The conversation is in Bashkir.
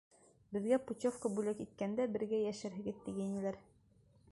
Беҙгә путевка бүләк иткәндә, бергә йәшәрһегеҙ, тигәйнеләр.